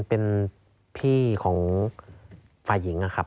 เป็นพี่ของฝ่ายหญิงนะครับ